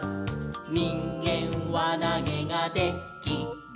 「にんげんわなげがで・き・る」